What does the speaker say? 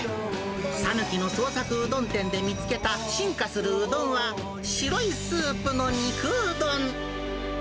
讃岐の創作うどん店で見つけた進化するうどんは、白いスープの肉うどん。